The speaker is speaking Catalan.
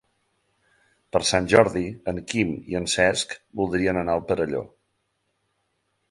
Per Sant Jordi en Quim i en Cesc voldrien anar al Perelló.